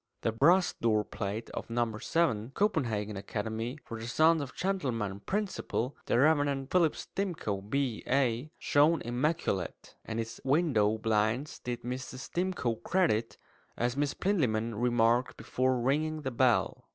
The brass doorplate of No. 7 "Copenhagen Academy for the Sons of Gentlemen. Principal, the Rev. Philip Stimcoe, B.A. (Oxon.)" shone immaculate; and its window blinds did Mrs. Stimcoe credit, as Miss Plinlimmon remarked before ringing the bell.